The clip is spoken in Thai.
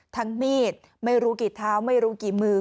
มีดไม่รู้กี่เท้าไม่รู้กี่มือ